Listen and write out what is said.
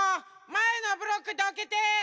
まえのブロックどけて！